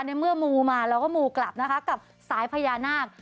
ในเมื่อมูมาเราก็มูกลับนะคะกับสายพญานาค